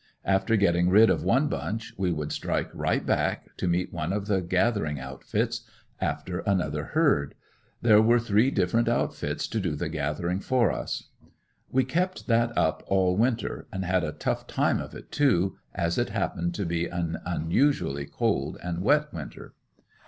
After getting rid of one bunch we would strike right back, to meet one of the gathering outfits, after another herd. There were three different outfits to do the gathering for us. We kept that up all winter and had a tough time of it, too, as it happened to be an unusually cold and wet winter.